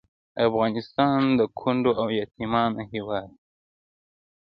افغانستان د کونډو او یتیمانو هیواد دی